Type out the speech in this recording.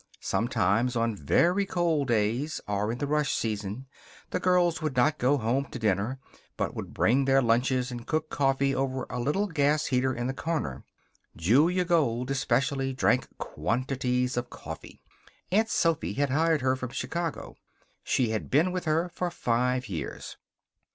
Sometimes, on very cold days, or in the rush season, the girls would not go home to dinner, but would bring their lunches and cook coffee over a little gas heater in the corner. Julia Gold, especially, drank quantities of coffee. Aunt Sophy had hired her from Chicago. She had been with her for five years.